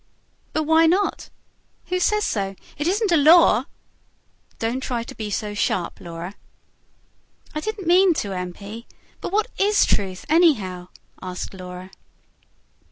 "But why not? Who says so? It isn't a law." "Don't try to be so sharp, Laura." "I don't mean to, M. P. But what IS truth, anyhow?" asked Laura.